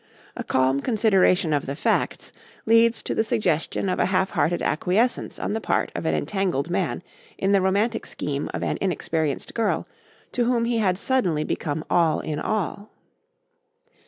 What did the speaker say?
A calm consideration of the facts leads to the suggestion of a half hearted acquiescence on the part of an entangled man in the romantic scheme of an inexperienced girl to whom he had suddenly become all in all.